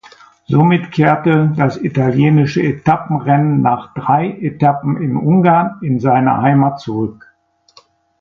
Somit kehrte das italienische Etappenrennen nach drei Etappen in Ungarn in seine Heimat zurück.